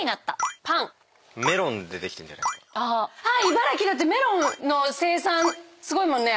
茨城だってメロンの生産すごいもんね。